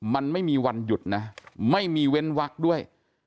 มันไม่มีวันหยุดนะไม่มีเว้นวักด้วย